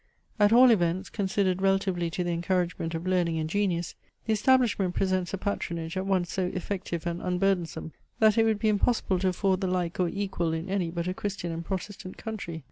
At all events, considered relatively to the encouragement of learning and genius, the establishment presents a patronage at once so effective and unburdensome, that it would be impossible to afford the like or equal in any but a Christian and Protestant country.